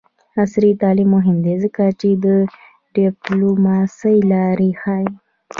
عصري تعلیم مهم دی ځکه چې د ډیپلوماسۍ لارې ښيي.